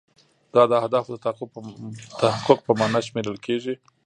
دا د اهدافو د تحقق په معنا شمیرل کیږي.